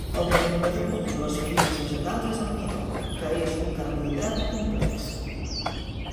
El denominador comú de les farines vegetals és el midó, que és un carbohidrat complex.